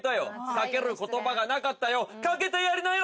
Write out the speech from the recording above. かける言葉がなかったよかけてやりなよ